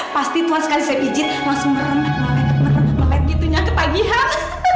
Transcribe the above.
pasti tuhan sekali saya pijit langsung merenek merenek merenek merenek gitunya ke pagihan